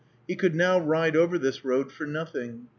He could now ride over this road for nothing.